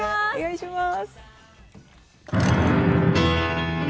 お願いします。